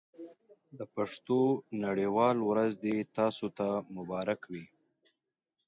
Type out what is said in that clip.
د پښتو نړۍ واله ورځ دې تاسو ته مبارک وي.